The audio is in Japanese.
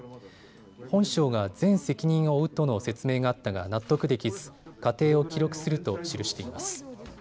本省が全責任を負うとの説明があったが納得できず過程を記録すると記しています。